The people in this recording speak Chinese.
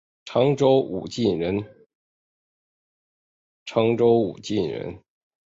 常州武进人。